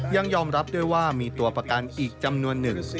ยังยอมรับด้วยว่ามีตัวประกันอีกจำนวนหนึ่ง